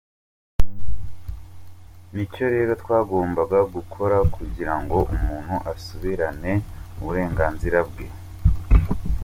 Ni cyo rero twagombaga gukora kugira ngo umuntu asubirane uburenganzira bwe.